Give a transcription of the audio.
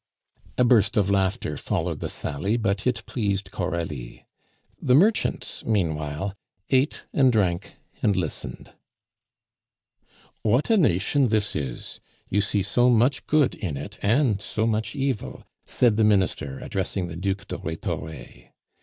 '" A burst of laughter followed the sally, but it pleased Coralie. The merchants meanwhile ate and drank and listened. "What a nation this is! You see so much good in it and so much evil," said the Minister, addressing the Duc de Rhetore.